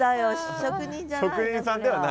職人さんではないと。